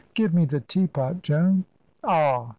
Give me the teapot, Joan. Ah!"